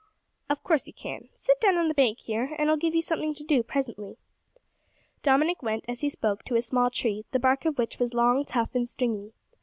"Of course you can. Sit down on the bank here, and I'll give you something to do presently." Dominick went, as he spoke, to a small tree, the bark of which was long, tough, and stringy.